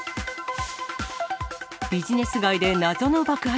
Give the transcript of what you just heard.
ビジネス街で謎の爆発。